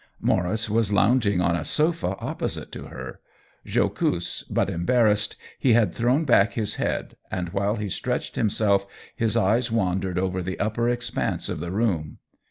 Maurice was lounging on a sofa opposite to her ; jocose but embarrassed, he had thrown back his head, and while he stretched himself his eyes wandered over the upper expanse of the room.